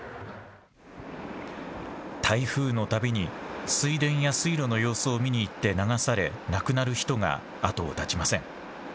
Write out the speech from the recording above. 台風のたびに水田や水路の様子を見に行って流され亡くなる人が後を絶ちません。